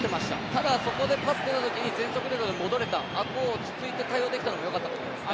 ただ、そこでパスが出たときに全速力で戻れた、あそこを落ち着いて対応できたのもよかったと思いますね。